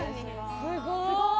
すごい！